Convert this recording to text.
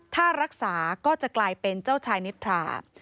ถ้ารักษาก็จะกลายเป็นเจ้าชายนิทรา